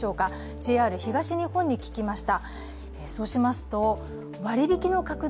ＪＲ東日本に聞きました。